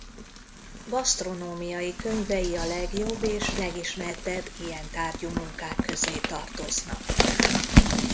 Gasztronómiai könyvei a legjobb és legismertebb ilyen tárgyú munkák közé tartoznak.